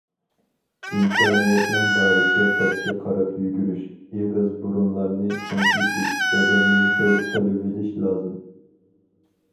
ئىمكانىيەتنىڭ بارىچە پەسكە قاراپ يۈگۈرۈش، ئېغىز- بۇرۇنلارنى چىڭ ئېتىش، بەدەننى ھۆل قىلىۋېلىش لازىم.